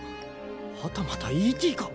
はたまたＥ．Ｔ．か？